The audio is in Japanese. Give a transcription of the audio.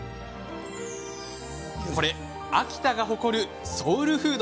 これ、秋田が誇るソウルフード。